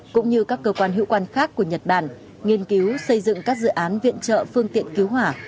cũng như các cơ quan hữu quan khác của nhật bản nghiên cứu xây dựng các dự án viện trợ phương tiện cứu hỏa